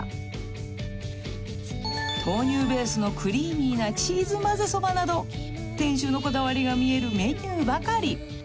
［豆乳ベースのクリーミーなチーズまぜそばなど店主のこだわりが見えるメニューばかり］